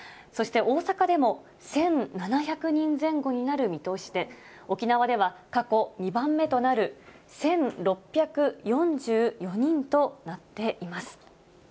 そして大阪でも１７００人前後になる見通しで、沖縄では、過去２番目となる１６４４人となっています。